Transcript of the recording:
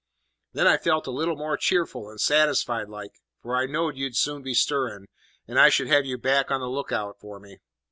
"Then I felt a little bit more cheerful and satisfied like, for I knowed you'd soon be stirring, and I should have you back on the look out for me.